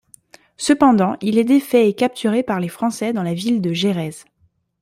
Cependant il est défait et capturé par les Français dans la ville de Jerez.